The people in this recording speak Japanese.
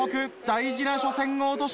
大事な初戦を落とします。